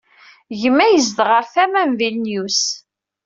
Gma yezdeɣ ar tama n Vilnius.